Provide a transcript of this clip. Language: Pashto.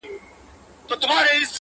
د طبيعت دې نندارې ته ډېر حيران هم يم،